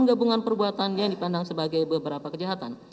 gabungan perbuatan yang dipandang sebagai beberapa kejahatan